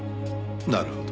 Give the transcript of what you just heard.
なるほど。